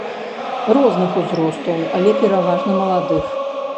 Розных узростаў, але пераважна маладых.